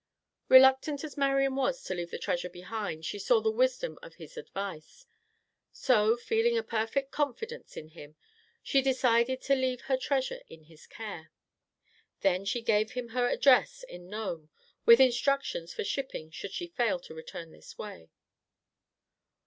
Reluctant as Marian was to leave the treasure behind, she saw the wisdom of his advice. So, feeling a perfect confidence in him, she decided to leave her treasure in his care. Then she gave him her address at Nome, with instructions for shipping should she fail to return this way.